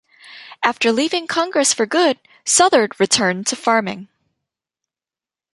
After leaving Congress for good, Southard returned to farming.